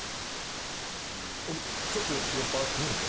俺ちょっと酔っ払ってるんで。